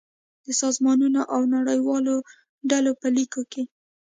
د سازمانونو او نړیوالو ډلو په ليکو کې